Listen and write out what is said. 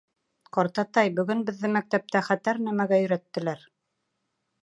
— Ҡартатай, бөгөн беҙҙе мәктәптә хәтәр нәмәгә өйрәттеләр.